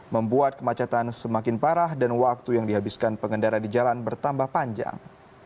membuat kemacetan semakin parah dan waktu yang dihabiskan pengendara di jalan bertambah panjang